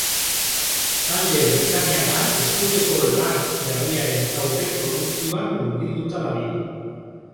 Talde britainiarra estudioko lan berriaren aurre-produkzioan murgilduta dabil.